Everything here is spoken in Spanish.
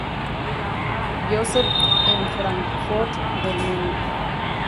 Joseph en Fráncfort del Meno.